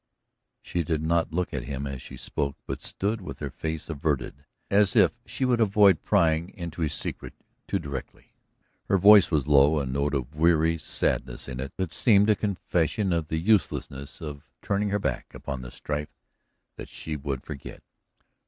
She did not look at him as she spoke, but stood with her face averted, as if she would avoid prying into his secret too directly. Her voice was low, a note of weary sadness in it that seemed a confession of the uselessness of turning her back upon the strife that she would forget.